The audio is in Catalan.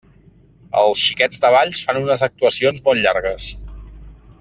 Els Xiquets de Valls fan unes actuacions molt llargues.